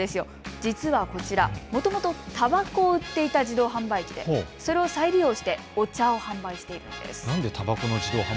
実はこちら、もともと、たばこを売っていた自動販売機でそれを再利用してお茶を販売しているんです。